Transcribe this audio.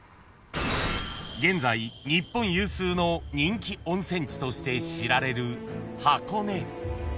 ［現在日本有数の人気温泉地として知られる箱根］